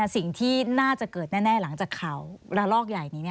สิ่งที่น่าจะเกิดแน่หลังจากข่าวระลอกใหญ่นี้